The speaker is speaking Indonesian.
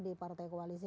di partai koalisi